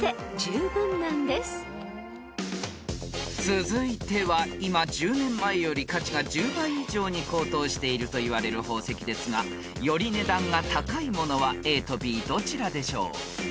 ［続いては今１０年前より価値が１０倍以上に高騰しているといわれる宝石ですがより値段が高いものはＡとＢどちらでしょう？］